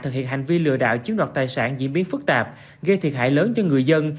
thực hiện hành vi lừa đảo chiếm đoạt tài sản diễn biến phức tạp gây thiệt hại lớn cho người dân